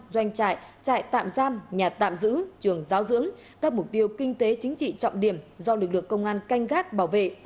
doanh trại tạm giam nhà tạm giữ trường giáo dưỡng các mục tiêu kinh tế chính trị trọng điểm do lực lượng công an canh gác bảo vệ